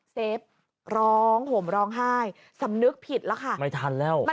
เซฟร้องผมร้องไห้สำนึกผิดแล้วค่ะ